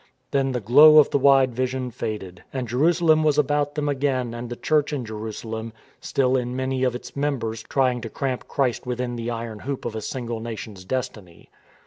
Then the glow of the wide vision faded, and Jeru salem was about them again and the Church in Jeru salem, still in many of its members trying to cramp Christ within the iron hoop of a single nation's destiny.